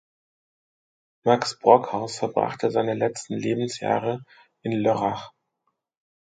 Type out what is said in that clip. Max Brockhaus verbrachte seine letzten Lebensjahre in Lörrach.